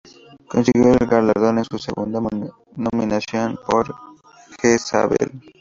Consiguió el galardón en su segunda nominación por "Jezabel".